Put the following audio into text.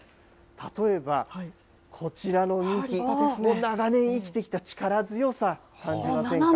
例えばこちらの幹、長年生きてきた力強さ、感じませんか？